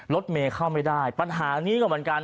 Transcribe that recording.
รถเมย์เข้าไม่ได้ปัญหานี้ก็เหมือนกัน